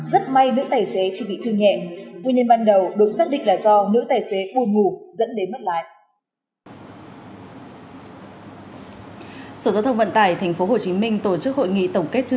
rất may nữ tài xế chỉ bị thương nhẹ